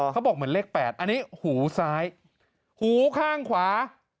เขาบอกเหมือนเลข๘อันนี้หูซ้ายหูข้างขวา